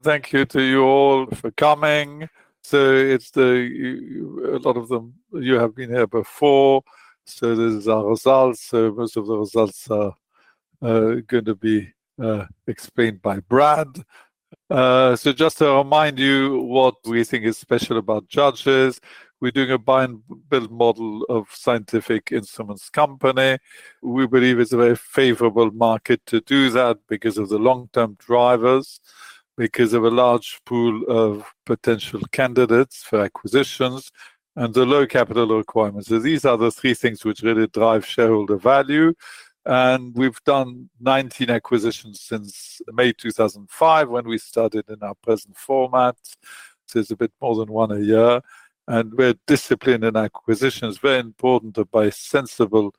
Thank you to you all for coming. A lot of them, you have been here before, so these are our results. Most of the results are going to be explained by Brad. Just to remind you what we think is special about Judges, we're doing a buy and build model of scientific instruments company. We believe it's a very favorable market to do that because of the long-term drivers, because of a large pool of potential candidates for acquisitions, and the low capital requirements. These are the three things which really drive shareholder value. We've done 19 acquisitions since May 2005 when we started in our present format. It's a bit more than one a year. We're disciplined in acquisitions. Very important to buy sensible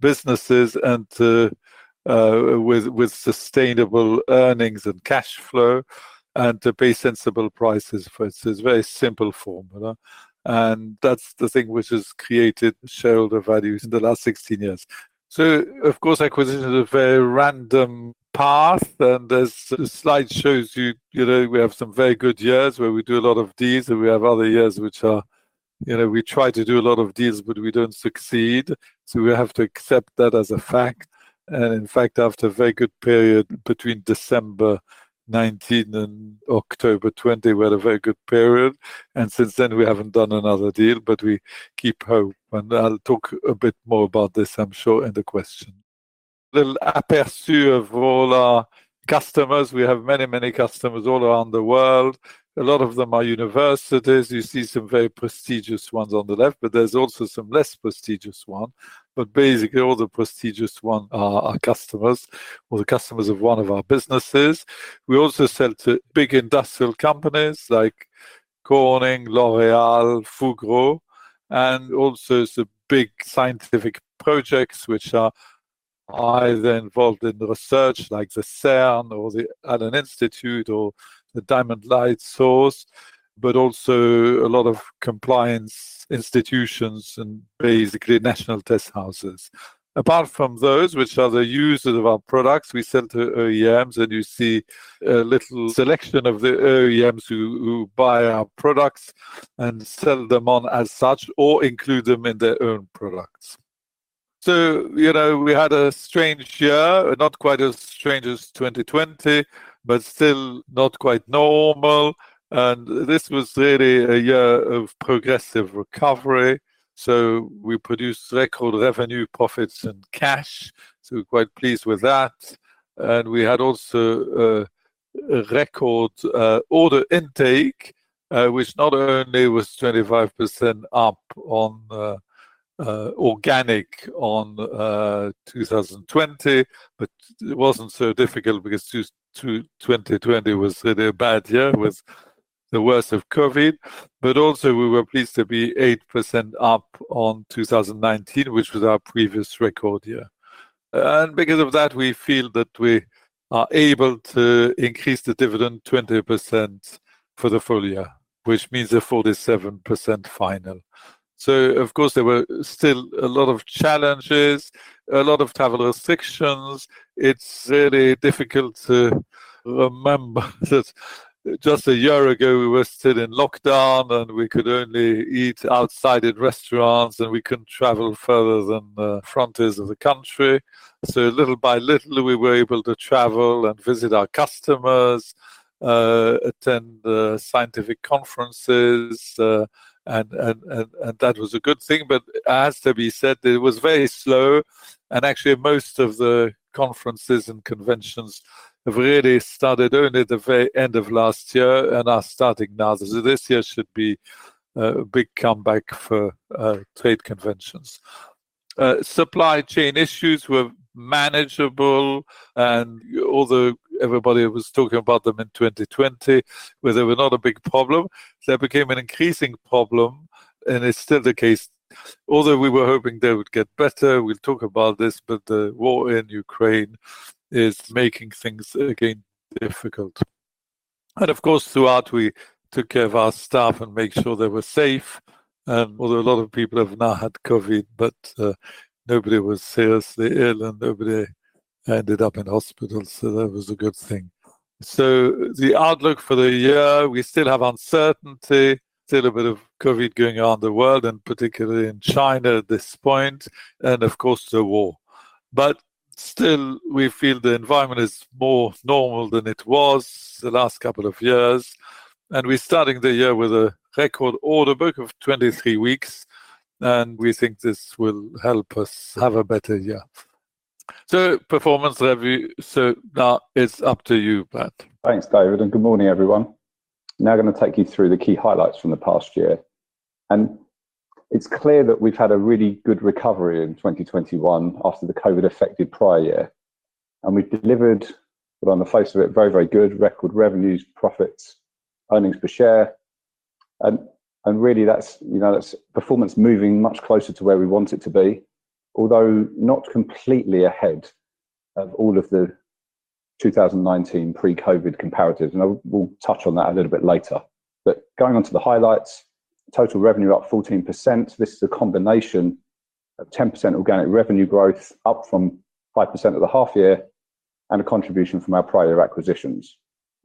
businesses and with sustainable earnings and cash flow and to pay sensible prices for it. It's a very simple formula, and that's the thing which has created shareholder values in the last 16 years. Of course, acquisition is a very random path, and the slide shows you know, we have some very good years where we do a lot of deals, and we have other years which are, you know, we try to do a lot of deals, but we don't succeed. We have to accept that as a fact. In fact, after a very good period between December 2019 and October 2020, we had a very good period, and since then we haven't done another deal, but we keep hope. I'll talk a bit more about this, I'm sure, in the question. Little aperçu of all our customers. We have many, many customers all around the world. A lot of them are universities. You see some very prestigious ones on the left, but there's also some less prestigious ones. Basically, all the prestigious ones are our customers or the customers of one of our businesses. We also sell to big industrial companies like Corning, L'Oréal, Fugro, and also some big scientific projects which are either involved in research like the CERN or at an institute or the Diamond Light Source. Also a lot of compliance institutions and basically national test houses. Apart from those which are the users of our products, we sell to OEMs, and you see a little selection of the OEMs who buy our products and sell them on as such or include them in their own products. You know, we had a strange year. Not quite as strange as 2020, but still not quite normal. This was really a year of progressive recovery. We produced record revenue, profits, and cash, so we're quite pleased with that. We had also a record order intake, which not only was 25% up on organic on 2020, but it wasn't so difficult because 2020 was a really bad year with the worst of COVID. We were pleased to be 8% up on 2019, which was our previous record year. Because of that, we feel that we are able to increase the dividend 20% for the full year, which means a 47% final. Of course, there were still a lot of challenges, a lot of travel restrictions. It's really difficult to remember that just a year ago, we were still in lockdown, and we could only eat outside at restaurants, and we couldn't travel further than the frontiers of the country. Little by little, we were able to travel and visit our customers, attend the scientific conferences, and that was a good thing. It has to be said, it was very slow. Actually, most of the conferences and conventions have really started only the very end of last year and are starting now. This year should be a big comeback for trade conventions. Supply chain issues were manageable, and although everybody was talking about them in 2020, where they were not a big problem. They became an increasing problem, and it's still the case. Although we were hoping they would get better, we'll talk about this, but the war in Ukraine is making things again difficult. Of course, throughout, we took care of our staff and made sure they were safe. Although a lot of people have now had COVID, but, nobody was seriously ill, and nobody ended up in hospital, so that was a good thing. The outlook for the year, we still have uncertainty, still a bit of COVID going around the world, and particularly in China at this point, and of course, the war. Still, we feel the environment is more normal than it was the last couple of years. We're starting the year with a record order book of 23 weeks, and we think this will help us have a better year. Performance review. Now it's up to you, Brad. Thanks, David, and good morning, everyone. Now I'm going to take you through the key highlights from the past year. It's clear that we've had a really good recovery in 2021 after the COVID-affected prior year. We've delivered what on the face of it, very, very good record revenues, profits, earnings per share. Really that's, you know, that's performance moving much closer to where we want it to be. Although not completely ahead of all of the 2019 pre-COVID comparatives, and we'll touch on that a little bit later. Going on to the highlights, total revenue up 14%. This is a combination of 10% organic revenue growth up from 5% at the half year and a contribution from our prior acquisitions.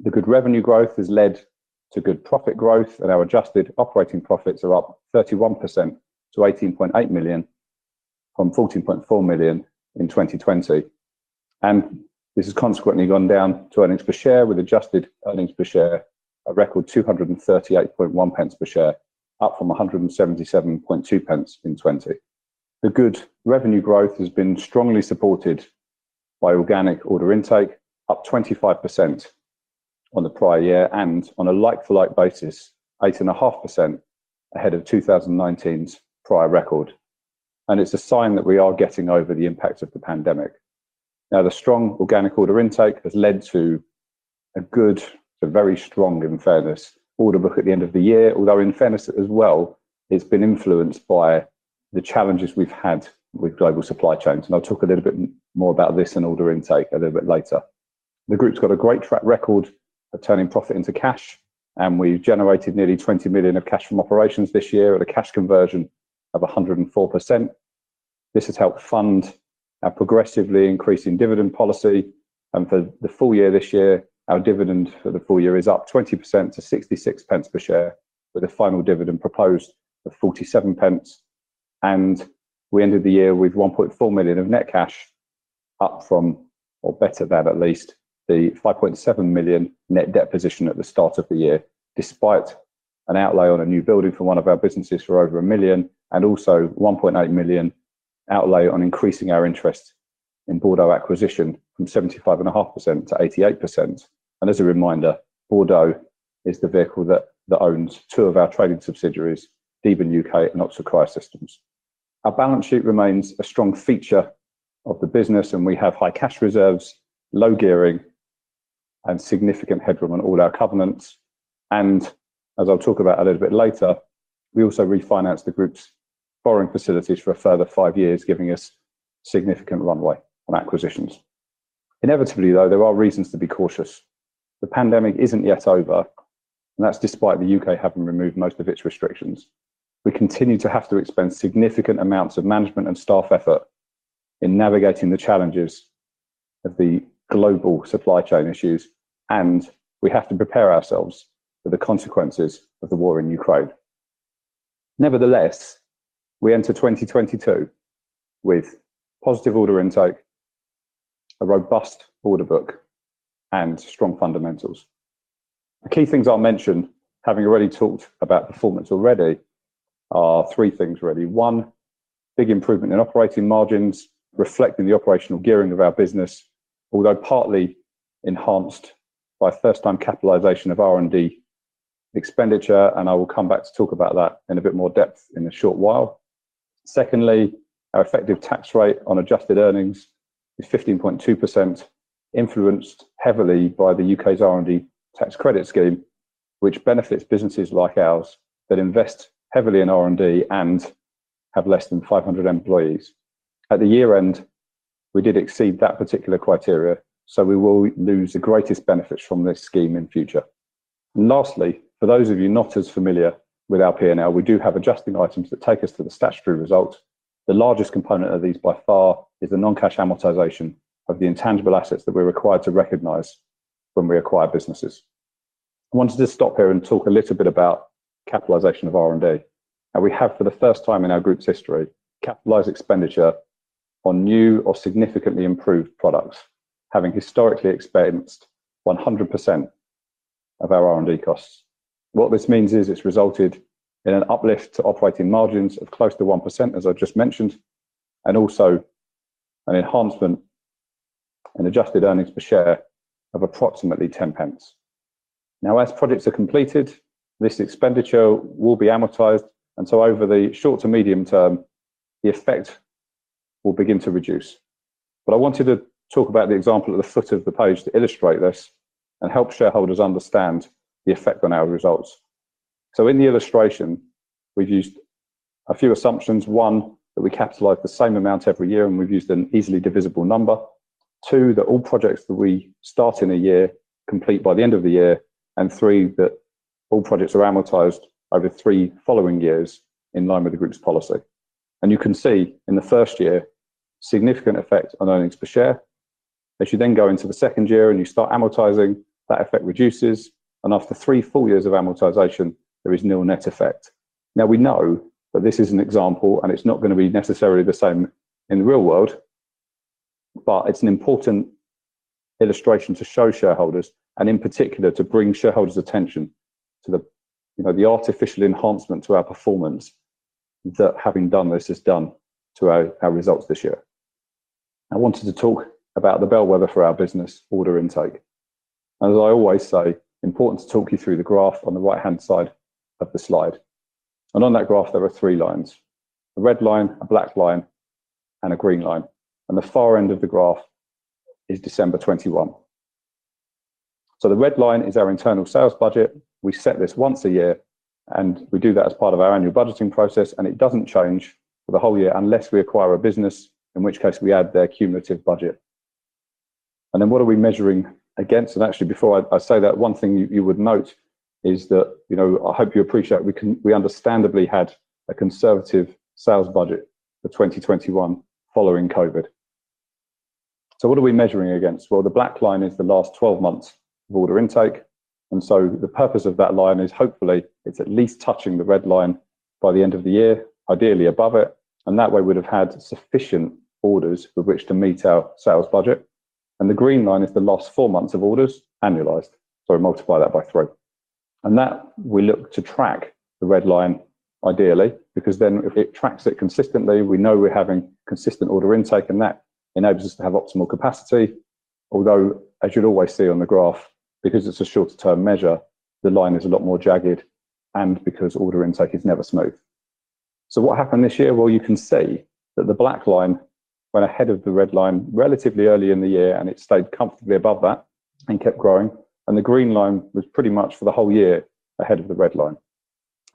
The good revenue growth has led to good profit growth, and our adjusted operating profits are up 31% to 18.8 million from 14.4 million in 2020. This has consequently gone down to earnings per share with adjusted earnings per share a record 238.1 pence per share, up from 177.2 pence in 2020. The good revenue growth has been strongly supported by organic order intake up 25% on the prior year and on a like-for-like basis, 8.5% ahead of 2019's prior record. It's a sign that we are getting over the impact of the pandemic. Now, the strong organic order intake has led to a good to very strong, in fairness, order book at the end of the year. Although, in fairness as well, it's been influenced by the challenges we've had with global supply chains. I'll talk a little bit more about this and order intake a little bit later. The group's got a great track record of turning profit into cash, and we've generated nearly 20 million of cash from operations this year at a cash conversion of 104%. This has helped fund our progressively increasing dividend policy. For the full year this year, our dividend for the full year is up 20% to 66 pence per share, with a final dividend proposed of 47 pence. We ended the year with 1.4 million of net cash up from or better than at least the 5.7 million net debt position at the start of the year, despite an outlay on a new building for one of our businesses for over 1 million and also 1.8 million outlay on increasing our interest in Bordeaux Acquisition from 75.5% to 88%. As a reminder, Bordeaux is the vehicle that owns two of our trading subsidiaries, Deben U.K. and Oxford Cryosystems. Our balance sheet remains a strong feature of the business, and we have high cash reserves, low gearing, and significant headroom on all our covenants. As I'll talk about a little bit later, we also refinanced the group's borrowing facilities for a further five years, giving us significant runway on acquisitions. Inevitably, though, there are reasons to be cautious. The pandemic isn't yet over, and that's despite the U.K. having removed most of its restrictions. We continue to have to expend significant amounts of management and staff effort in navigating the challenges of the global supply chain issues, and we have to prepare ourselves for the consequences of the war in Ukraine. Nevertheless, we enter 2022 with positive order intake, a robust order book, and strong fundamentals. The key things I'll mention, having already talked about performance already, are three things really. One, big improvement in operating margins, reflecting the operational gearing of our business. Although partly enhanced by first-time capitalization of R&D expenditure, and I will come back to talk about that in a bit more depth in a short while. Secondly, our effective tax rate on adjusted earnings is 15.2%, influenced heavily by the U.K.'s R&D tax credit scheme, which benefits businesses like ours that invest heavily in R&D and have less than 500 employees. At the year-end, we did exceed that particular criteria, so we will lose the greatest benefits from this scheme in future. Lastly, for those of you not as familiar with our P&L, we do have adjusting items that take us to the statutory result. The largest component of these by far is the non-cash amortization of the intangible assets that we're required to recognize when we acquire businesses. I wanted to stop here and talk a little bit about capitalization of R&D. Now we have, for the first time in our group's history, capitalized expenditure on new or significantly improved products, having historically expensed 100% of our R&D costs. What this means is it's resulted in an uplift to operating margins of close to 1%, as I just mentioned, and also an enhancement in adjusted earnings per share of approximately 10 pence. Now, as projects are completed, this expenditure will be amortized, and so over the short to medium term, the effect will begin to reduce. I wanted to talk about the example at the foot of the page to illustrate this and help shareholders understand the effect on our results. In the illustration, we've used a few assumptions. One, that we capitalize the same amount every year, and we've used an easily divisible number. Two, that all projects that we start in a year complete by the end of the year. Three, that all projects are amortized over three following years in line with the group's policy. You can see in the first year, significant effect on earnings per share. As you then go into the second year and you start amortizing, that effect reduces, and after three full years of amortization, there is no net effect. Now, we know that this is an example, and it's not gonna be necessarily the same in the real world. But it's an important illustration to show shareholders and in particular, to bring shareholders' attention to the, you know, the artificial enhancement to our performance that having done this has done to our results this year. I wanted to talk about the bellwether for our business order intake. As I always say, important to talk you through the graph on the right-hand side of the slide. On that graph, there are three lines, a red line, a black line, and a green line. The far end of the graph is December 2021. The red line is our internal sales budget. We set this once a year, and we do that as part of our annual budgeting process, and it doesn't change for the whole year unless we acquire a business, in which case we add their cumulative budget. Then what are we measuring against? Actually, before I say that, one thing you would note is that, you know, I hope you appreciate we understandably had a conservative sales budget for 2021 following COVID. What are we measuring against? Well, the black line is the last 12 months of order intake, and so the purpose of that line is hopefully it's at least touching the red line by the end of the year, ideally above it, and that way we'd have had sufficient orders with which to meet our sales budget. The green line is the last four months of orders annualized, so we multiply that by three. That we look to track the red line ideally, because then if it tracks it consistently, we know we're having consistent order intake, and that enables us to have optimal capacity. Although, as you'd always see on the graph, because it's a shorter-term measure, the line is a lot more jagged and because order intake is never smooth. What happened this year? Well, you can see that the black line went ahead of the red line relatively early in the year and it stayed comfortably above that and kept growing. The green line was pretty much for the whole year ahead of the red line.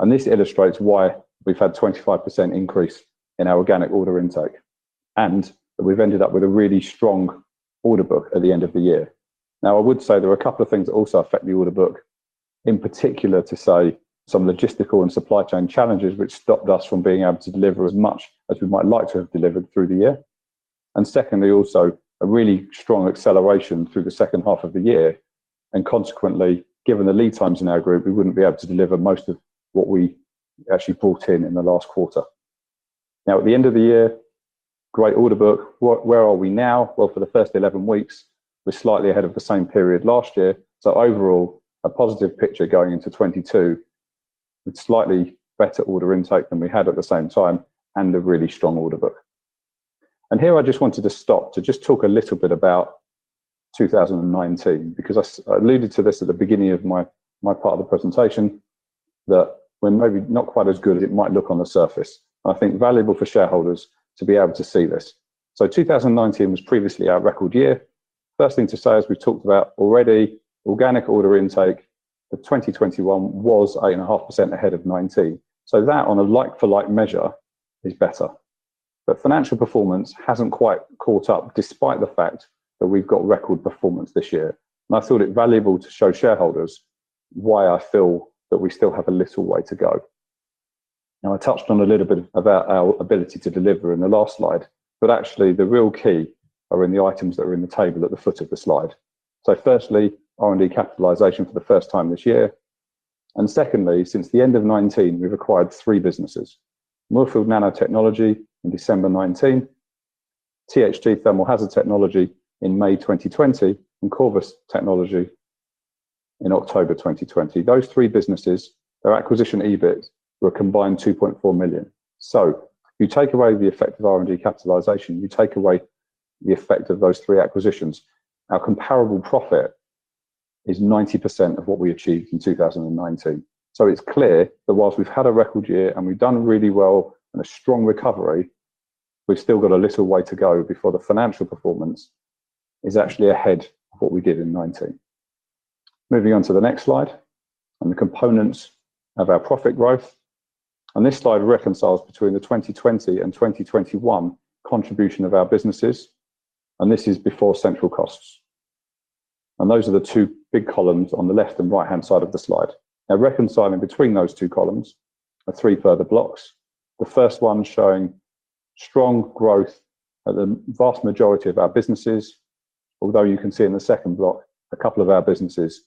This illustrates why we've had 25% increase in our organic order intake, and we've ended up with a really strong order book at the end of the year. Now, I would say there are a couple of things that also affect the order book, in particular to say some logistical and supply chain challenges which stopped us from being able to deliver as much as we might like to have delivered through the year. Secondly, also a really strong acceleration through the second half of the year, and consequently, given the lead times in our group, we wouldn't be able to deliver most of what we actually brought in in the last quarter. Now, at the end of the year, great order book. Where, where are we now? Well, for the first 11 weeks, we're slightly ahead of the same period last year. Overall, a positive picture going into 2022 with slightly better order intake than we had at the same time and a really strong order book. Here I just wanted to stop to just talk a little bit about 2019, because I alluded to this at the beginning of my part of the presentation that we're maybe not quite as good as it might look on the surface. I think it's valuable for shareholders to be able to see this. 2019 was previously our record year. First thing to say, as we talked about already, organic order intake for 2021 was 8.5% ahead of 2019. That on a like-for-like measure is better. Financial performance hasn't quite caught up despite the fact that we've got record performance this year. I thought it valuable to show shareholders why I feel that we still have a little way to go. Now, I touched on a little bit about our ability to deliver in the last slide, but actually the real key are in the items that are in the table at the foot of the slide. Firstly, R&D capitalization for the first time this year, and secondly, since the end of 2019 we've acquired 3 businesses. Moorfield Nanotechnology in December 2019, THT Thermal Hazard Technology in May 2020, and Korvus Technology in October 2020. Those three businesses, their acquisition EBIT, were a combined 2.4 million. You take away the effect of R&D capitalization, you take away the effect of those three acquisitions, our comparable profit is 90% of what we achieved in 2019. It's clear that whilst we've had a record year and we've done really well and a strong recovery, we've still got a little way to go before the financial performance is actually ahead of what we did in 2019. Moving on to the next slide on the components of our profit growth. This slide reconciles between the 2020 and 2021 contribution of our businesses, and this is before central costs. Those are the two big columns on the left and right-hand side of the slide. Now, reconciling between those two columns are three further blocks. The first one showing strong growth at the vast majority of our businesses, although you can see in the second block a couple of our businesses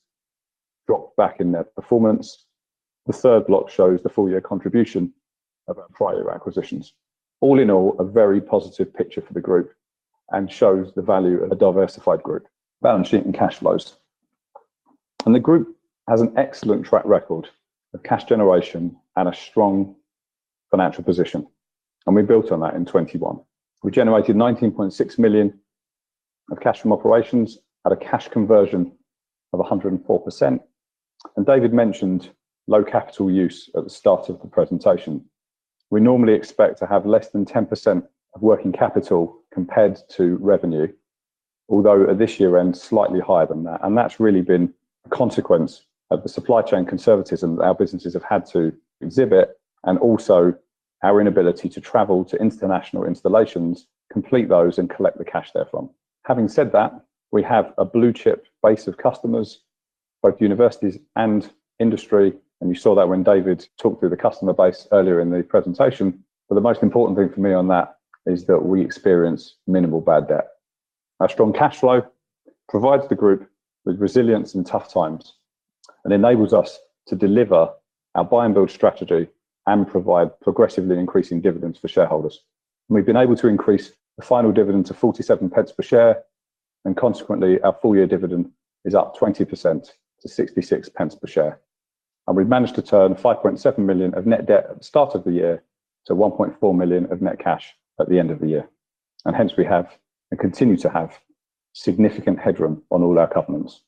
dropped back in their performance. The third block shows the full year contribution of our prior acquisitions. All in all, a very positive picture for the group and shows the value of a diversified group. Balance sheet and cash flows. The group has an excellent track record of cash generation and a strong financial position, and we built on that in 2021. We generated 19.6 million of cash from operations at a cash conversion of 104%. David mentioned low capital use at the start of the presentation. We normally expect to have less than 10% of working capital compared to revenue, although at this year-end, slightly higher than that. That's really been a consequence of the supply chain conservatism that our businesses have had to exhibit and also our inability to travel to international installations, complete those, and collect the cash therefrom. Having said that, we have a blue-chip base of customers, both universities and industry, and you saw that when David talked through the customer base earlier in the presentation. The most important thing for me on that is that we experience minimal bad debt. Our strong cash flow provides the group with resilience in tough times and enables us to deliver our buy and build strategy and provide progressively increasing dividends for shareholders. We've been able to increase the final dividend to 47 pence per share, and consequently, our full year dividend is up 20% to 66 pence per share. We've managed to turn 5.7 million of net debt at the start of the year to 1.4 million of net cash at the end of the year. Hence we have and continue to have significant headroom on all our covenants.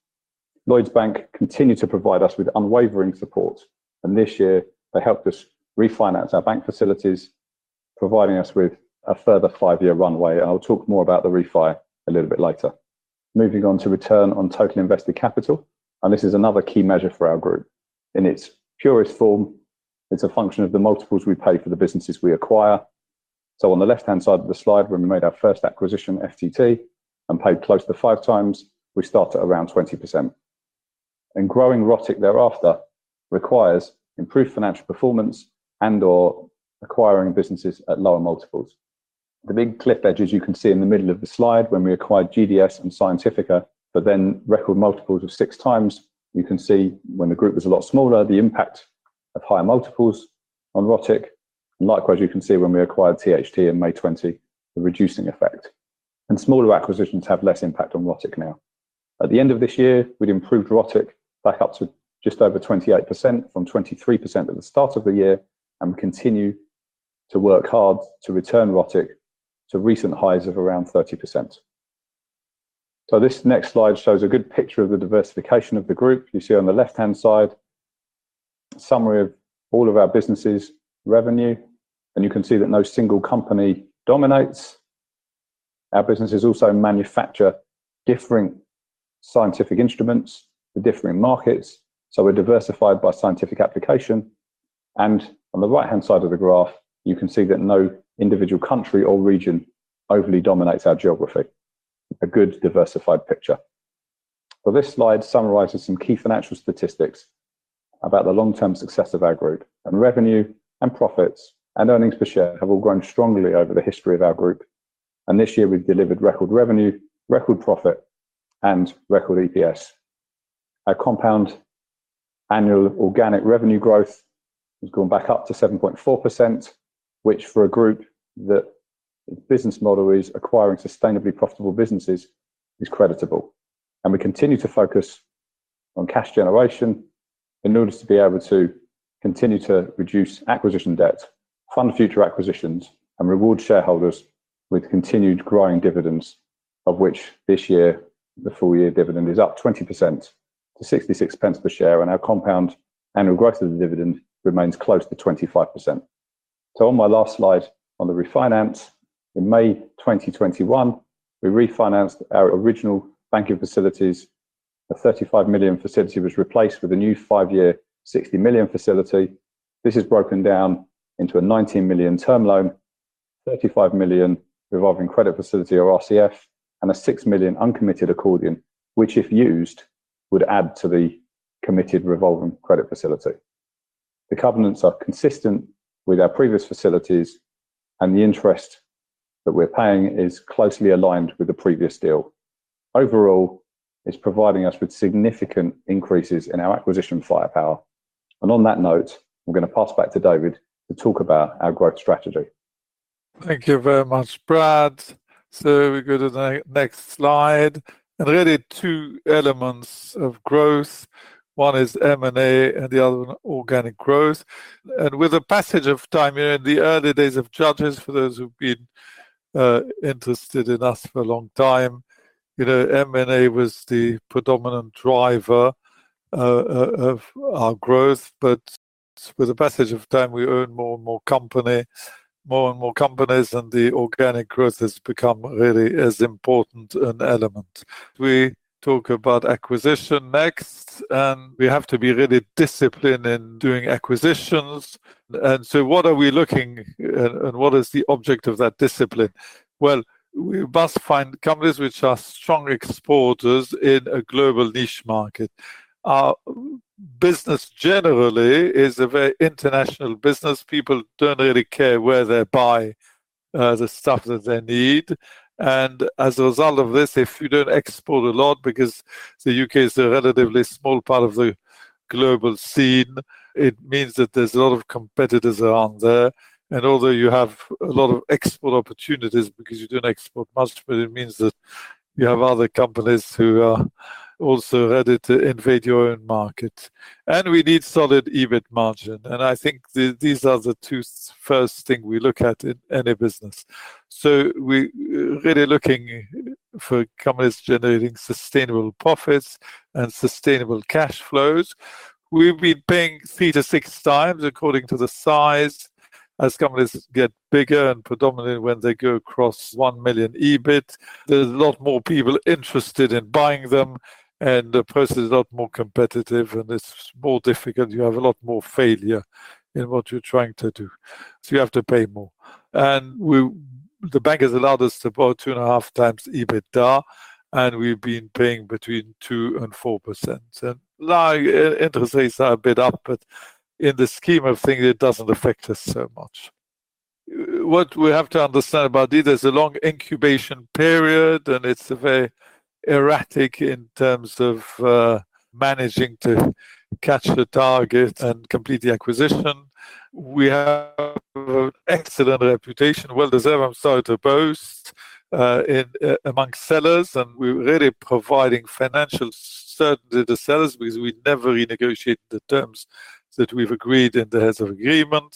Lloyds Bank continue to provide us with unwavering support, and this year they helped us refinance our bank facilities, providing us with a further five-year runway. I'll talk more about the refi a little bit later. Moving on to return on total invested capital, and this is another key measure for our group. In its purest form, it's a function of the multiples we pay for the businesses we acquire. On the left-hand side of the slide, when we made our first acquisition, FTT, and paid close to 5x, we start at around 20%. Growing ROTIC thereafter requires improved financial performance and/or acquiring businesses at lower multiples. The big cliff edge, as you can see in the middle of the slide, when we acquired GDS and Scientifica, but then record multiples of 6x, you can see when the group was a lot smaller, the impact of higher multiples on ROTIC. Likewise, you can see when we acquired THT in May 2020, the reducing effect. Smaller acquisitions have less impact on ROTIC now. At the end of this year, we'd improved ROTIC back up to just over 28% from 23% at the start of the year and continue to work hard to return ROTIC to recent highs of around 30%. This next slide shows a good picture of the diversification of the group. You see on the left-hand side a summary of all of our businesses' revenue, and you can see that no single company dominates. Our businesses also manufacture different scientific instruments for differing markets, so we're diversified by scientific application. On the right-hand side of the graph, you can see that no individual country or region overly dominates our geography. A good diversified picture. Well, this slide summarizes some key financial statistics about the long-term success of our group. Revenue and profits and earnings per share have all grown strongly over the history of our group. This year, we've delivered record revenue, record profit, and record EPS. Our compound annual organic revenue growth has gone back up to 7.4%, which for a group that business model is acquiring sustainably profitable businesses is creditable. We continue to focus on cash generation in order to be able to continue to reduce acquisition debt, fund future acquisitions, and reward shareholders with continued growing dividends, of which this year, the full year dividend is up 20% to 0.66 per share, and our compound annual growth of the dividend remains close to 25%. On my last slide on the refinance, in May 2021, we refinanced our original banking facilities. A 35 million facility was replaced with a new five-year 60 million facility. This is broken down into a 19 million term loan, 35 million revolving credit facility or RCF, and a 6 million uncommitted accordion, which if used, would add to the committed revolving credit facility. The covenants are consistent with our previous facilities, and the interest that we're paying is closely aligned with the previous deal. Overall, it's providing us with significant increases in our acquisition firepower. On that note, I'm gonna pass back to David to talk about our growth strategy. Thank you very much, Brad. We go to the next slide. Really two elements of growth. One is M&A and the other one organic growth. With the passage of time, you know, in the early days of Judges, for those who've been interested in us for a long time, you know, M&A was the predominant driver of our growth. With the passage of time, we own more and more companies, and the organic growth has become really as important an element. We talk about acquisition next, and we have to be really disciplined in doing acquisitions. What are we looking and what is the object of that discipline? Well, we must find companies which are strong exporters in a global niche market. Our business generally is a very international business. People don't really care where they buy the stuff that they need. As a result of this, if you don't export a lot because the U.K. is a relatively small part of the global scene, it means that there's a lot of competitors around there. Although you have a lot of export opportunities because you don't export much, but it means that you have other companies who are also ready to invade your own market. We need solid EBIT margin. I think these are the two first things we look at in any business. We're really looking for companies generating sustainable profits and sustainable cash flows. We've been paying 3x to 6x according to the size. As companies get bigger and predominantly when they go across 1 million EBIT, there's a lot more people interested in buying them, and the process is a lot more competitive, and it's more difficult. You have a lot more failure in what you're trying to do, so you have to pay more. The bank has allowed us to borrow 2.5x EBITDA, and we've been paying between 2% and 4%. Now interest rates are a bit up, but in the scheme of things, it doesn't affect us so much. What we have to understand about this, there's a long incubation period, and it's very erratic in terms of managing to catch the target and complete the acquisition. We have excellent reputation, well deserved. I'm sorry to boast in amongst sellers, and we're really providing financial certainty to sellers because we never renegotiate the terms that we've agreed in the heads of agreement.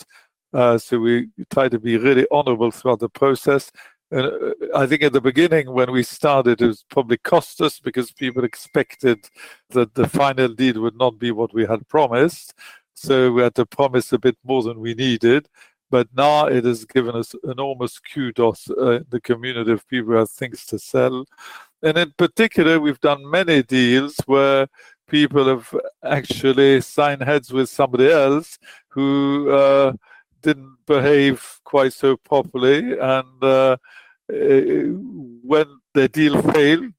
We try to be really honorable throughout the process. I think at the beginning when we started, it probably cost us because people expected that the final deal would not be what we had promised. We had to promise a bit more than we needed. Now it has given us enormous kudos in the community of people who have things to sell. In particular, we've done many deals where people have actually signed heads with somebody else who didn't behave quite so properly, and when the deal failed,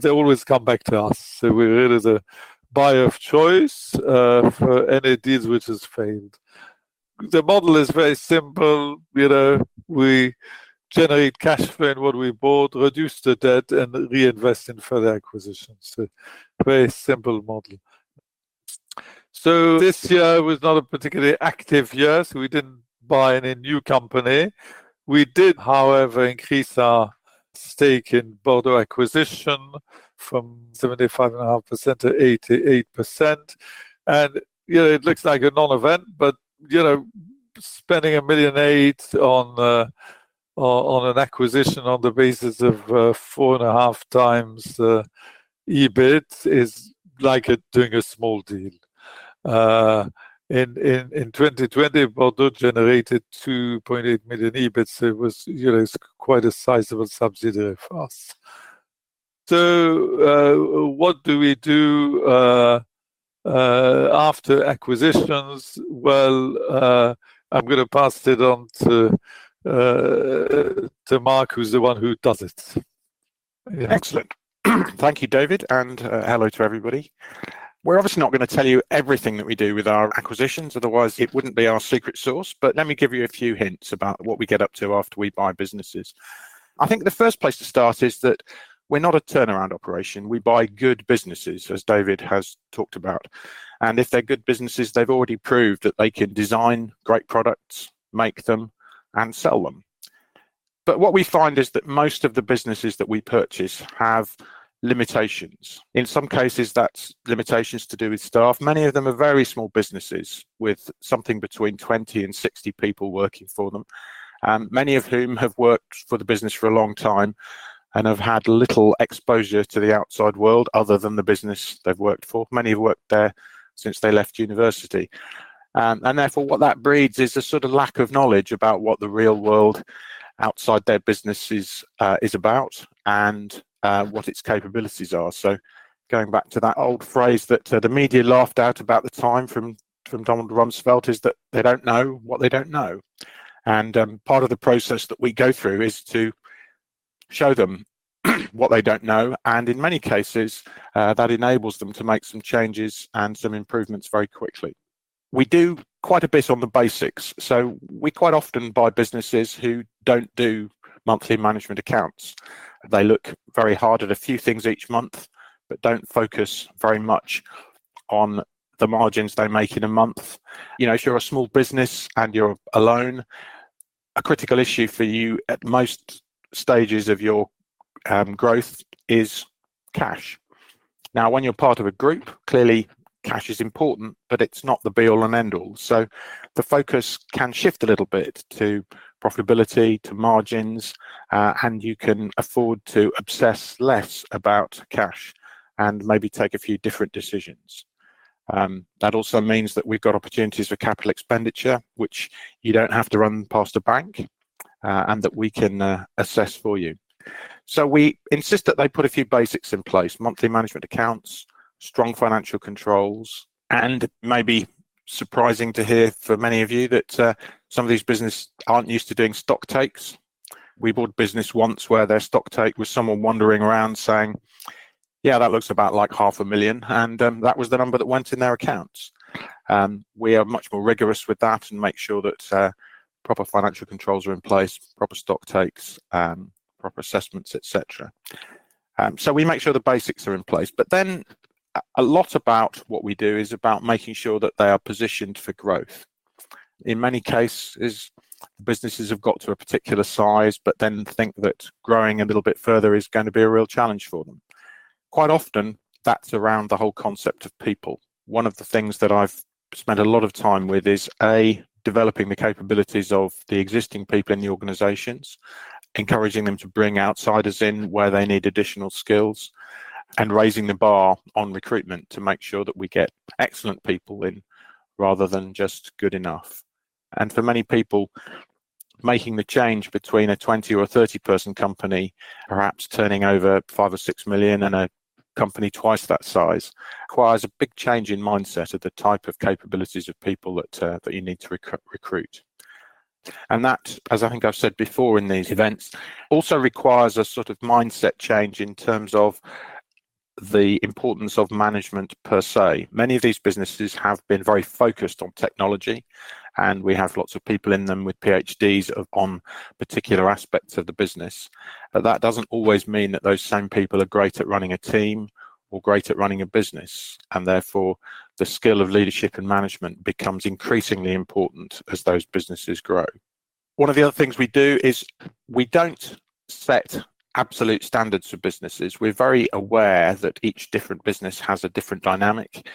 they always come back to us. We're really the buyer of choice for any deals which has failed. The model is very simple. You know, we generate cash flow in what we bought, reduce the debt, and reinvest in further acquisitions. Very simple model. This year was not a particularly active year, so we didn't buy any new company. We did, however, increase our stake in Bordeaux Acquisition from 75.5% to 88%. You know, it looks like a non-event, but, you know, spending 1.8 million on an acquisition on the basis of 4.5x EBIT is like doing a small deal. In 2020, Bordeaux generated 2.8 million EBIT, so it was, you know, it's quite a sizable subsidiary for us. What do we do after acquisitions? Well, I'm gonna pass it on to Mark, who's the one who does it. Yeah. Excellent. Thank you, David, and hello to everybody. We're obviously not gonna tell you everything that we do with our acquisitions, otherwise it wouldn't be our secret sauce, but let me give you a few hints about what we get up to after we buy businesses. I think the first place to start is that we're not a turnaround operation. We buy good businesses, as David has talked about. If they're good businesses, they've already proved that they can design great products, make them, and sell them. What we find is that most of the businesses that we purchase have limitations. In some cases, that's limitations to do with staff. Many of them are very small businesses with something between 20 and 60 people working for them, and many of whom have worked for the business for a long time and have had little exposure to the outside world other than the business they've worked for. Many have worked there since they left university. What that breeds is a sort of lack of knowledge about what the real world outside their business is about and what its capabilities are. Going back to that old phrase that the media laughed at about the time from Donald Rumsfeld is that they don't know what they don't know. Part of the process that we go through is to show them what they don't know, and in many cases, that enables them to make some changes and some improvements very quickly. We do quite a bit on the basics. We quite often buy businesses who don't do monthly management accounts. They look very hard at a few things each month but don't focus very much on the margins they make in a month. You know, if you're a small business and you're alone, a critical issue for you at most stages of your growth is cash. Now, when you're part of a group, clearly cash is important, but it's not the be all and end all. The focus can shift a little bit to profitability, to margins, and you can afford to obsess less about cash and maybe take a few different decisions. That also means that we've got opportunities for capital expenditure, which you don't have to run past a bank, and that we can assess for you. We insist that they put a few basics in place, monthly management accounts, strong financial controls. It may be surprising to hear for many of you that some of these business aren't used to doing stock takes. We bought business once where their stock take was someone wandering around saying, "Yeah, that looks about like half a million." That was the number that went in their accounts. We are much more rigorous with that and make sure that proper financial controls are in place, proper stock takes, proper assessments, et cetera. We make sure the basics are in place. A lot about what we do is about making sure that they are positioned for growth. In many cases, businesses have got to a particular size but then think that growing a little bit further is gonna be a real challenge for them. Quite often, that's around the whole concept of people. One of the things that I've spent a lot of time with is, A, developing the capabilities of the existing people in the organizations, encouraging them to bring outsiders in where they need additional skills, and raising the bar on recruitment to make sure that we get excellent people in rather than just good enough. For many people, making the change between a 20 or 30 person company, perhaps turning over 5 million or 6 million in a company twice that size, requires a big change in mindset of the type of capabilities of people that you need to recruit. That, as I think I've said before in these events, also requires a sort of mindset change in terms of the importance of management per se. Many of these businesses have been very focused on technology, and we have lots of people in them with PhDs on particular aspects of the business. That doesn't always mean that those same people are great at running a team or great at running a business, and therefore, the skill of leadership and management becomes increasingly important as those businesses grow. One of the other things we do is we don't set absolute standards for businesses. We're very aware that each different business has a different dynamic,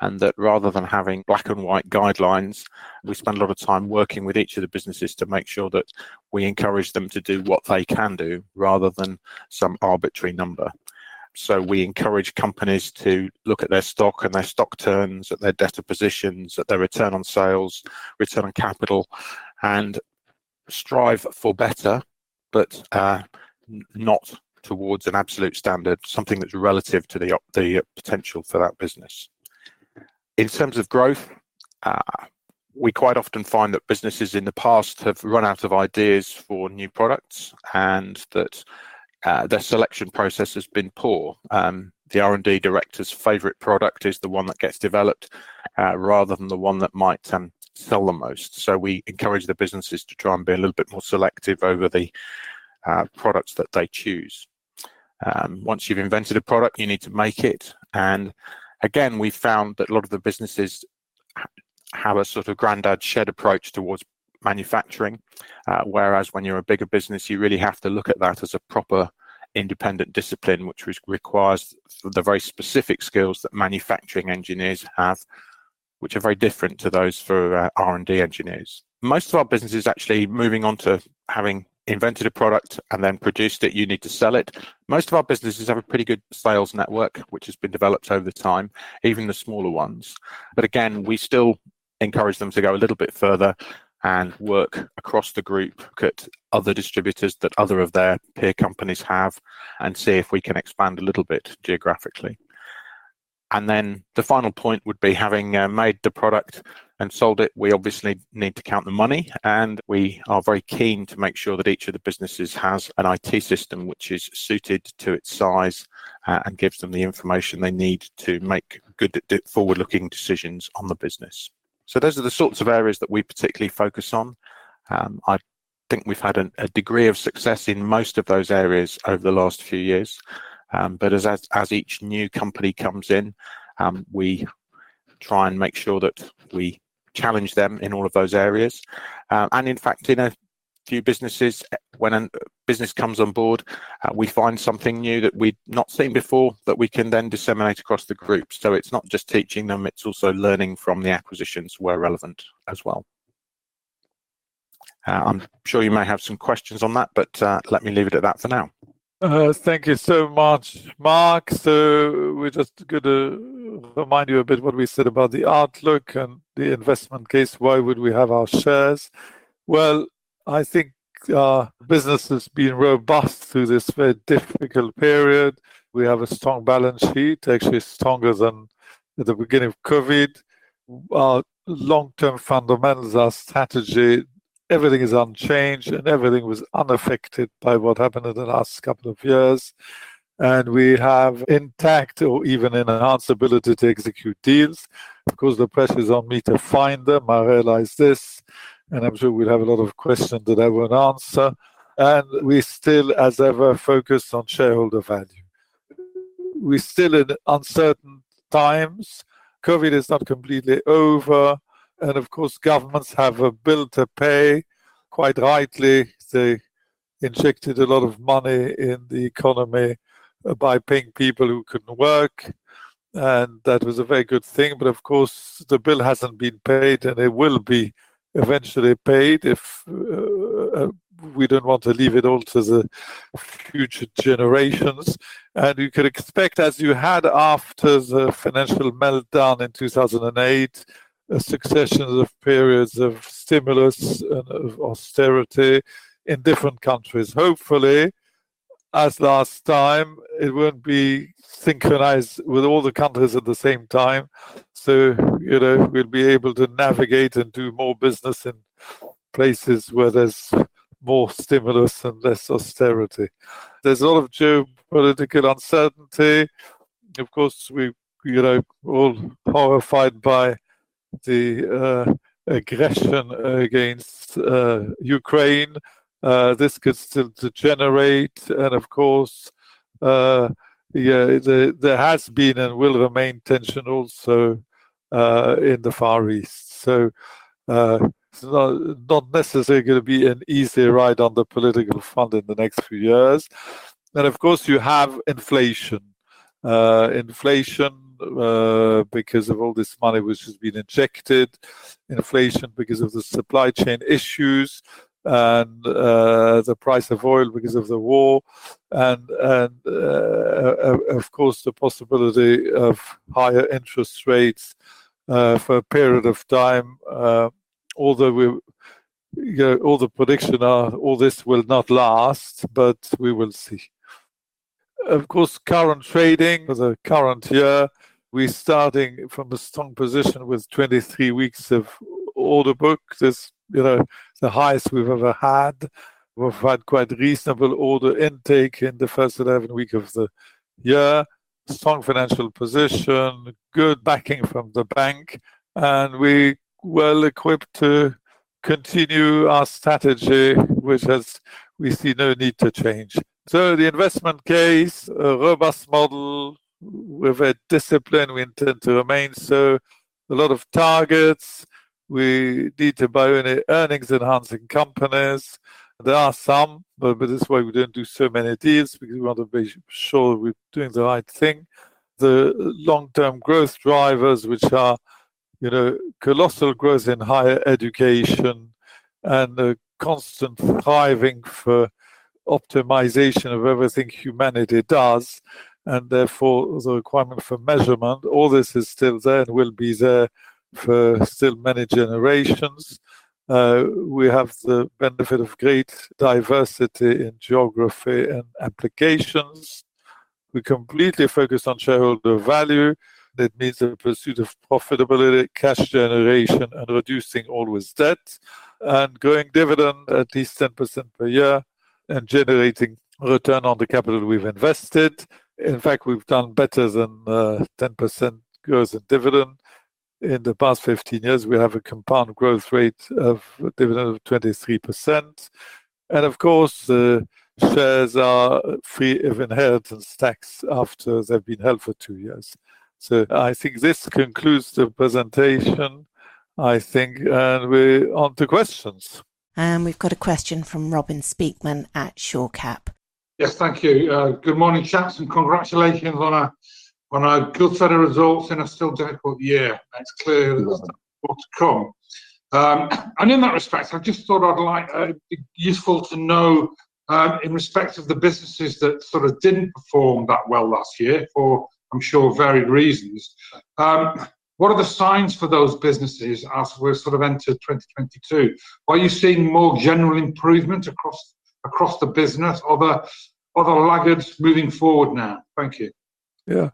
and that rather than having black-and-white guidelines, we spend a lot of time working with each of the businesses to make sure that we encourage them to do what they can do rather than some arbitrary number. We encourage companies to look at their stock and their stock turns, at their debtor positions, at their return on sales, return on capital, and strive for better, but not towards an absolute standard, something that's relative to the potential for that business. In terms of growth, we quite often find that businesses in the past have run out of ideas for new products and that their selection process has been poor. The R&D director's favorite product is the one that gets developed, rather than the one that might sell the most. We encourage the businesses to try and be a little bit more selective over the products that they choose. Once you've invented a product, you need to make it. Again, we found that a lot of the businesses have a sort of granddad shed approach towards manufacturing. Whereas when you're a bigger business, you really have to look at that as a proper independent discipline, which requires the very specific skills that manufacturing engineers have, which are very different to those for R&D engineers. Most of our businesses actually moving on to having invented a product and then produced it, you need to sell it. Most of our businesses have a pretty good sales network, which has been developed over time, even the smaller ones. Again, we still encourage them to go a little bit further and work across the group, look at other distributors that other of their peer companies have and see if we can expand a little bit geographically. Then the final point would be having made the product and sold it, we obviously need to count the money, and we are very keen to make sure that each of the businesses has an IT system which is suited to its size and gives them the information they need to make good forward-looking decisions on the business. Those are the sorts of areas that we particularly focus on. I think we've had a degree of success in most of those areas over the last few years. As each new company comes in, we try and make sure that we challenge them in all of those areas. In fact, in a few businesses, when a business comes on board, we find something new that we'd not seen before that we can then disseminate across the group. It's not just teaching them, it's also learning from the acquisitions where relevant as well. I'm sure you may have some questions on that, but let me leave it at that for now. Thank you so much, Mark. We're just gonna remind you a bit what we said about the outlook and the investment case. Why would we have our shares? Well, I think, business has been robust through this very difficult period. We have a strong balance sheet, actually stronger than at the beginning of COVID. Our long-term fundamentals, our strategy, everything is unchanged, and everything was unaffected by what happened in the last couple of years. We have intact or even enhanced ability to execute deals. Of course, the pressure is on me to find them. I realize this, and I'm sure we'll have a lot of questions that I won't answer. We still, as ever, focus on shareholder value. We're still in uncertain times. COVID is not completely over. Of course, governments have a bill to pay. Quite rightly, they injected a lot of money in the economy by paying people who couldn't work. That was a very good thing. Of course, the bill hasn't been paid, and it will be eventually paid if we don't want to leave it all to the future generations. You can expect, as you had after the financial meltdown in 2008, successions of periods of stimulus and of austerity in different countries. Hopefully, as last time, it won't be synchronized with all the countries at the same time. You know, we'll be able to navigate and do more business in places where there's more stimulus and less austerity. There's a lot of geopolitical uncertainty. Of course, we, you know, all horrified by the aggression against Ukraine. This could still degenerate. Of course, there has been and will remain tension also in the Far East. It's not necessarily gonna be an easy ride on the political front in the next few years. Of course, you have inflation. Inflation because of all this money which has been injected. Inflation because of the supply chain issues and the price of oil because of the war. Of course, the possibility of higher interest rates for a period of time. Although we you know, all the prediction are all this will not last, but we will see. Of course, current trading for the current year, we're starting from a strong position with 23 weeks of order book. This, you know, the highest we've ever had. We've had quite reasonable order intake in the first 11 weeks of the year. Strong financial position, good backing from the bank, and we're well equipped to continue our strategy, which we see no need to change. The investment case, a robust model. We've had discipline. We intend to remain so. A lot of targets. We need to buy any earnings-enhancing companies. There are some, but this is why we don't do so many deals, because we want to be sure we're doing the right thing. The long-term growth drivers, which are, you know, colossal growth in higher education and the constant striving for optimization of everything humanity does, and therefore the requirement for measurement, all this is still there and will be there for still many generations. We have the benefit of great diversity in geography and applications. We completely focus on shareholder value. That means the pursuit of profitability, cash generation, and reducing always debt, and growing dividend at least 10% per year, and generating return on the capital we've invested. In fact, we've done better than 10% growth in dividend. In the past 15 years, we have a compound growth rate of dividend of 23%. Of course, the shares are free of inheritance tax after they've been held for 2 years. I think this concludes the presentation, and we're onto questions. We've got a question from Robin Speakman at Shore Capital. Yes. Thank you. Good morning, chaps, and congratulations on a good set of results in a still difficult year. Mm-hmm. It's clear there's more to come. In that respect, I just thought it'd be useful to know, in respect of the businesses that sort of didn't perform that well last year, for, I'm sure, varied reasons, what are the signs for those businesses as we're sort of entered 2022? Are you seeing more general improvement across the business? Are the laggards moving forward now? Thank you. Yeah.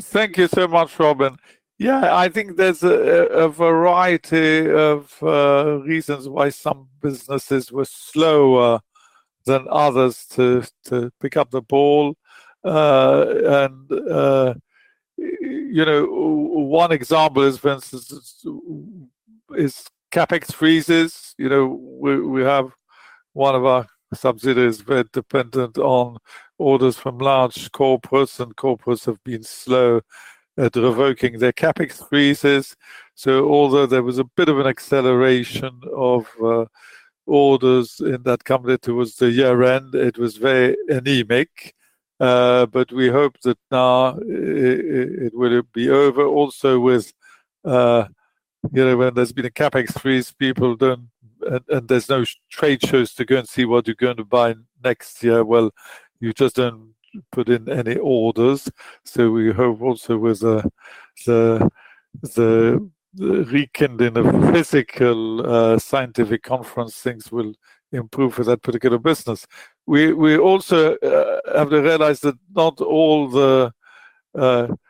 Thank you so much, Robin. Yeah, I think there's a variety of reasons why some businesses were slower than others to pick up the ball. You know, one example is, for instance, CapEx freezes. You know, we have one of our subsidiaries were dependent on orders from large corporates, and corporates have been slow at revoking their CapEx freezes. Although there was a bit of an acceleration of orders in that company towards the year-end, it was very anemic. We hope that now it will be over. Also with you know, when there's been a CapEx freeze, people don't and there's no trade shows to go and see what you're going to buy next year. Well, you just don't put in any orders. We hope also with the rekindling of physical scientific conference things will improve for that particular business. We also have realized that not all, although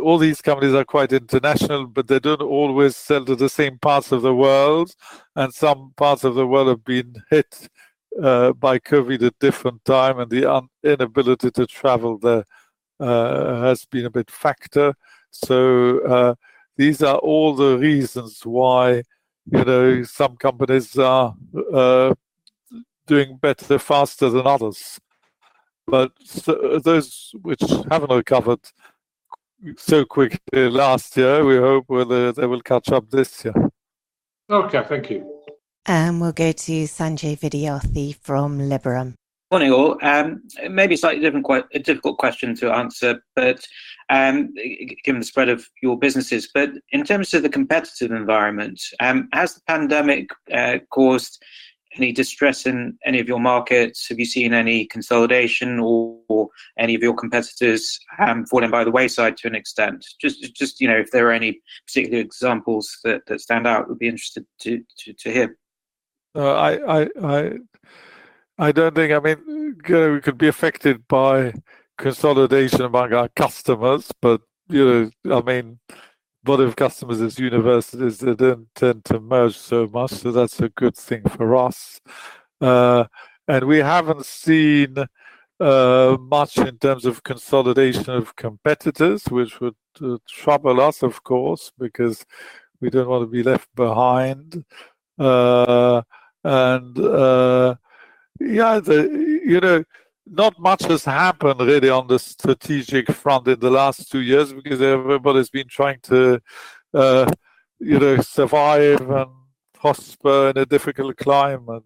all these companies are quite international, but they don't always sell to the same parts of the world, and some parts of the world have been hit by COVID at different time, and the inability to travel there has been a big factor. These are all the reasons why, you know, some companies are doing better faster than others. Those which haven't recovered so quickly last year, we hope whether they will catch up this year. Okay. Thank you. We'll go to Sanjay Vidyarthi from Liberum. Morning, all. It may be a slightly different, a difficult question to answer, but given the spread of your businesses, in terms of the competitive environment, has the pandemic caused any distress in any of your markets? Have you seen any consolidation or any of your competitors falling by the wayside to an extent? Just, you know, if there are any particular examples that stand out, we'd be interested to hear. I don't think. I mean, we could be affected by consolidation among our customers, but you know, I mean, a lot of customers is universities. They don't tend to merge so much, so that's a good thing for us. We haven't seen much in terms of consolidation of competitors, which would trouble us, of course, because we don't want to be left behind. You know, not much has happened really on the strategic front in the last two years because everybody's been trying to you know, survive and prosper in a difficult climate.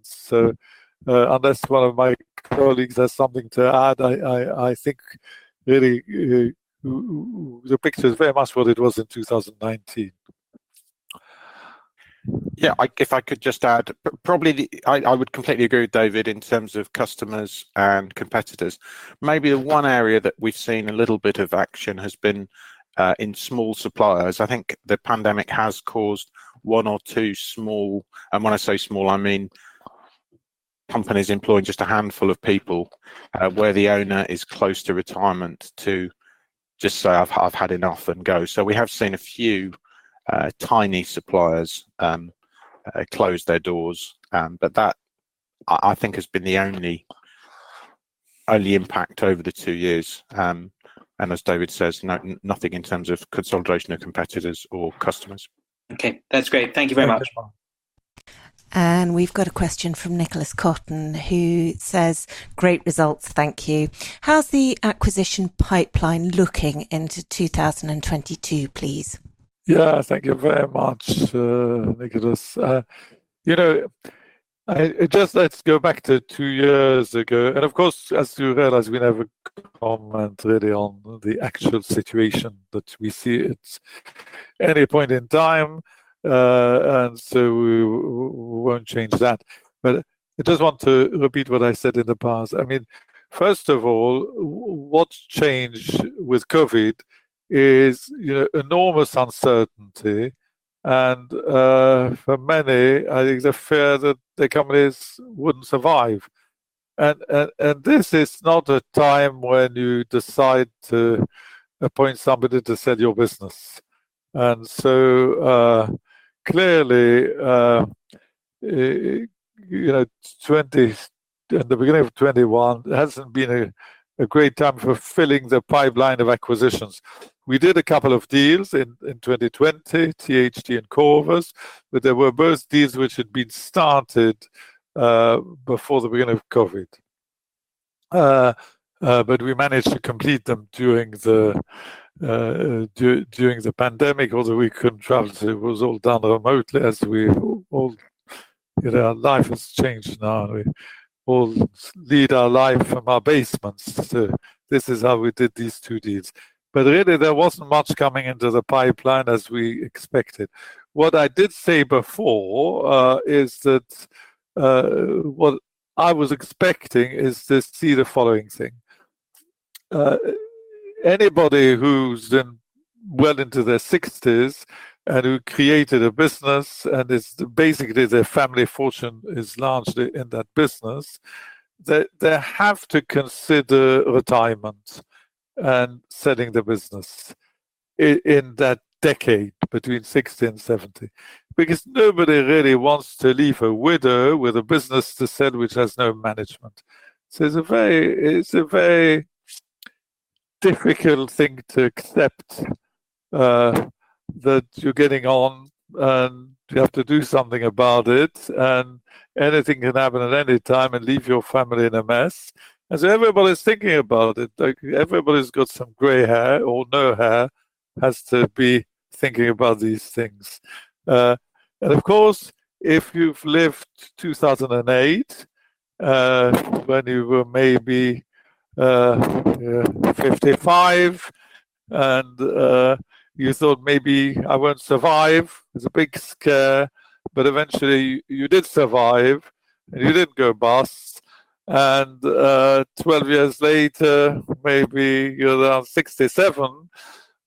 Unless one of my colleagues has something to add, I think really the picture is very much what it was in 2019. Yeah. If I could just add, I would completely agree with David in terms of customers and competitors. Maybe the one area that we've seen a little bit of action has been in small suppliers. I think the pandemic has caused one or two small, and when I say small, I mean companies employing just a handful of people, where the owner is close to retirement, to just say, "I've had enough," and go. We have seen a few tiny suppliers close their doors. That I think has been the only impact over the two years. As David says, nothing in terms of consolidation of competitors or customers. Okay. That's great. Thank you very much. Thank you. We've got a question from Nicholas Cotton, who says, "Great results. Thank you. How's the acquisition pipeline looking into 2022, please? Yeah. Thank you very much, Nicholas Cotton. You know, let's go back to two years ago. Of course, as you realize, we never comment really on the actual situation that we see at any point in time, and so we won't change that. I just want to repeat what I said in the past. I mean, first of all, what's changed with COVID is, you know, enormous uncertainty for many, I think, the fear that their companies wouldn't survive. This is not a time when you decide to appoint somebody to sell your business. Clearly, you know, at the beginning of 2021, it hasn't been a great time for filling the pipeline of acquisitions. We did a couple of deals in 2020, THT and Korvus, but they were both deals which had been started before the beginning of COVID. But we managed to complete them during the pandemic, although we couldn't travel, so it was all done remotely as we all, you know, life has changed now. We all lead our life from our basements. This is how we did these two deals. Really there wasn't much coming into the pipeline as we expected. What I did say before is that what I was expecting is to see the following thing. Anybody who's then well into their sixties and who created a business and is basically their family fortune is largely in that business, they have to consider retirement and selling the business in that decade between sixty and seventy, because nobody really wants to leave a widow with a business to sell which has no management. It's a very difficult thing to accept that you're getting on, and you have to do something about it, and anything can happen at any time and leave your family in a mess. Everybody's thinking about it, like everybody's got some gray hair or no hair has to be thinking about these things. Of course, if you've lived 2008, when you were maybe 55 and you thought maybe I won't survive, it's a big scare, but eventually you did survive, and you didn't go bust. T12 years later, maybe you're around 67,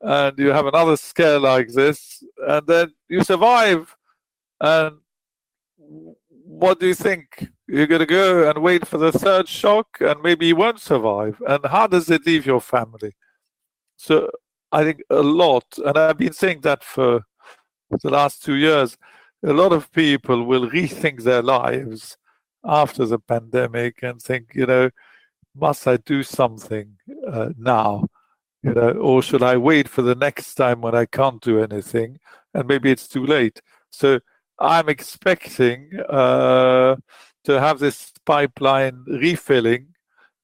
and you have another scare like this, and then you survive. What do you think? You're gonna go and wait for the third shock, and maybe you won't survive. How does it leave your family? I think a lot, and I've been saying that for the last two years, a lot of people will rethink their lives after the pandemic and think, you know, "Must I do something now?" You know, or should I wait for the next time when I can't do anything and maybe it's too late. I'm expecting to have this pipeline refilling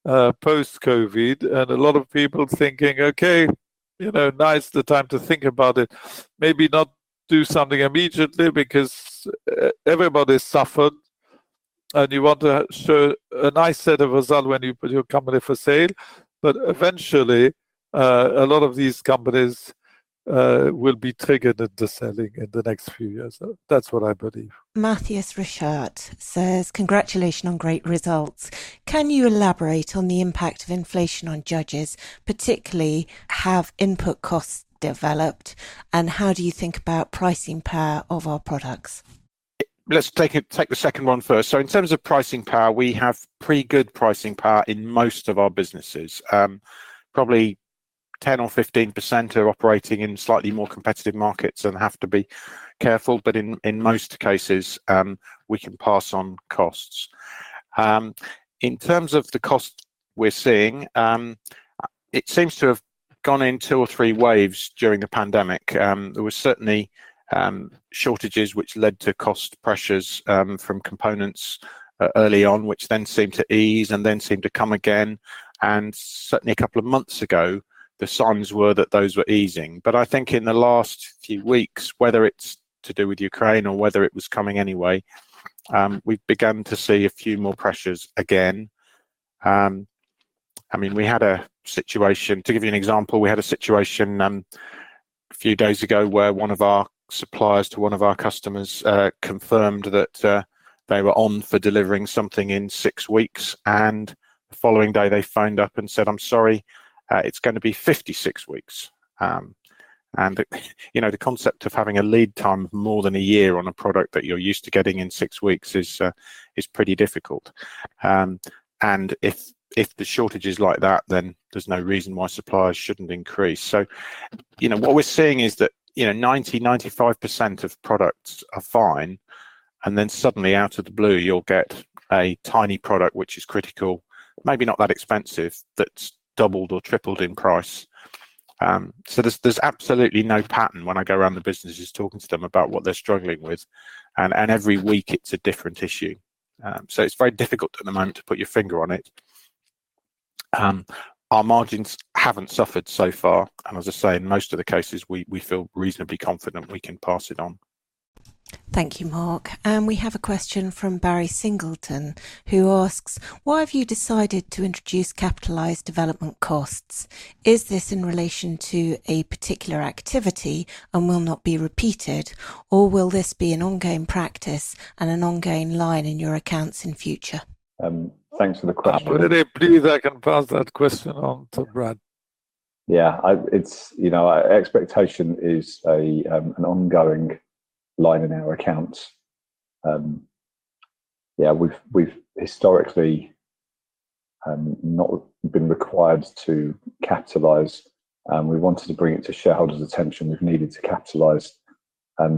post-COVID and a lot of people thinking, okay, you know, now is the time to think about it. Maybe not do something immediately because everybody suffered, and you want to show a nice set of results when you put your company for sale. Eventually, a lot of these companies will be triggered into selling in the next few years. That's what I believe. Mathias from Shore says, Congratulations on great results. Can you elaborate on the impact of inflation on Judges, particularly how have input costs developed, and how do you think about pricing power of our products? Let's take the second one first. In terms of pricing power, we have pretty good pricing power in most of our businesses. Probably 10% or 15% are operating in slightly more competitive markets and have to be careful, but in most cases, we can pass on costs. In terms of the cost we're seeing, it seems to have gone in two or three waves during the pandemic. There was certainly shortages which led to cost pressures from components early on, which then seemed to ease and then seemed to come again. Certainly a couple of months ago, the signs were that those were easing. I think in the last few weeks, whether it's to do with Ukraine or whether it was coming anyway, we've begun to see a few more pressures again. I mean, to give you an example, we had a situation a few days ago where one of our suppliers to one of our customers confirmed that they were on for delivering something in six weeks, and the following day they phoned up and said, "I'm sorry, it's gonna be 56 weeks." You know, the concept of having a lead time of more than a year on a product that you're used to getting in six weeks is pretty difficult. If the shortage is like that, then there's no reason why suppliers shouldn't increase. You know, what we're seeing is that, you know, 90% to 95% of products are fine, and then suddenly out of the blue you'll get a tiny product which is critical, maybe not that expensive, that's doubled or tripled in price. There's absolutely no pattern when I go around the businesses talking to them about what they're struggling with, and every week it's a different issue. It's very difficult at the moment to put your finger on it. Our margins haven't suffered so far, and as I say, in most of the cases, we feel reasonably confident we can pass it on. Thank you, Mark. We have a question from Barry Singleton, who asks, "Why have you decided to introduce capitalized development costs? Is this in relation to a particular activity and will not be repeated, or will this be an ongoing practice and an ongoing line in your accounts in future? Thanks for the question. I'm very pleased I can pass that question on to Brad. Yeah, it's. You know, expectation is an ongoing line in our accounts. Yeah, we've historically not been required to capitalize, and we wanted to bring it to shareholders' attention. We've needed to capitalize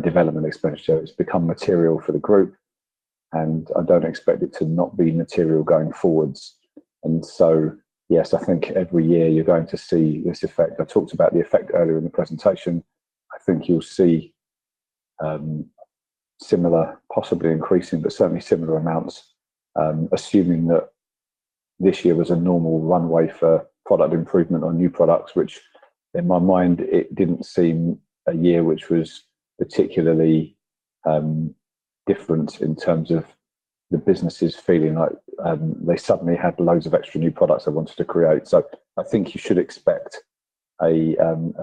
development expenditure. It's become material for the group, and I don't expect it to not be material going forwards. Yes, I think every year you're going to see this effect. I talked about the effect earlier in the presentation. I think you'll see similar, possibly increasing, but certainly similar amounts, assuming that this year was a normal runway for product improvement on new products, which in my mind, it didn't seem a year which was particularly different in terms of the businesses feeling like they suddenly had loads of extra new products they wanted to create. I think you should expect a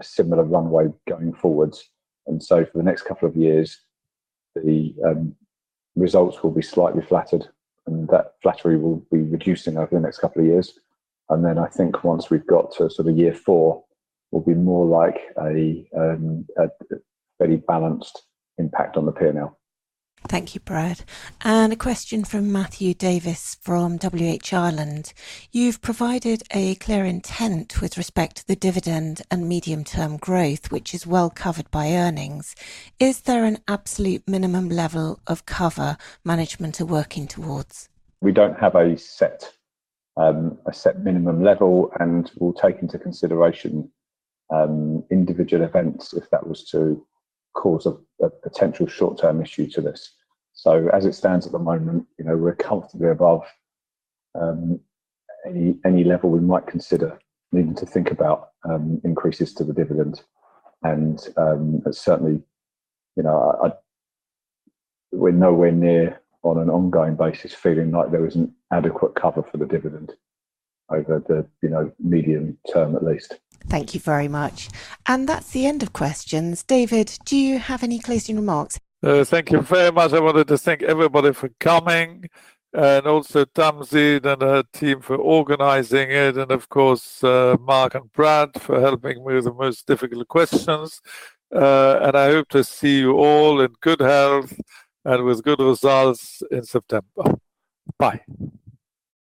similar runway going forward. For the next couple of years, the results will be slightly flattered, and that flattery will be reducing over the next couple of years. I think once we've got to sort of year four, we'll be more like a very balanced impact on the P&L. Thank you, Brad. A question from Matthew Davis from WH Ireland. You've provided a clear intent with respect to the dividend and medium-term growth, which is well covered by earnings. Is there an absolute minimum level of cover management are working towards? We don't have a set minimum level, and we'll take into consideration individual events if that was to cause a potential short-term issue to this. As it stands at the moment, you know, we're comfortably above any level we might consider needing to think about increases to the dividend. Certainly, you know, we're nowhere near on an ongoing basis feeling like there isn't adequate cover for the dividend over the, you know, medium term at least. Thank you very much. That's the end of questions. David, do you have any closing remarks? Thank you very much. I wanted to thank everybody for coming, and also Tamsin and her team for organizing it, and of course, Mark and Brad for helping me with the most difficult questions. I hope to see you all in good health and with good results in September. Bye.